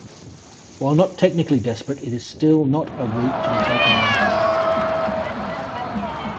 While not technically desperate, it is still not a route to be taken lightly.